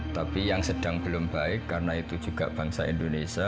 tapi yang sedang belum baik karena itu juga bangsa indonesia